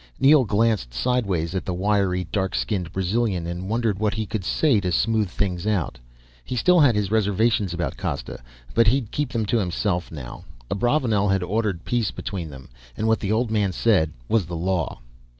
Neel glanced sideways at the wiry, dark skinned Brazilian and wondered what he could say to smooth things out. He still had his reservations about Costa, but he'd keep them to himself now. Abravanel had ordered peace between them, and what the old man said was the law.